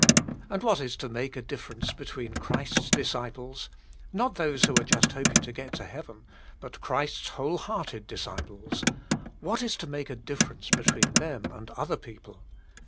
And what is to make a difference between Christ's disciples — not those who are just hoping to get to heaven, but Christ's whole hearted disciples — what is to make a difference between them and other people?